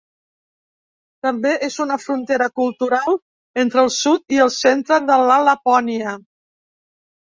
També és una frontera cultural entre el sud i el centre de la Lapònia.